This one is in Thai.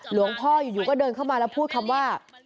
หลวงพ่ออยู่ก็เดินเข้ามาแล้วพูดคำว่า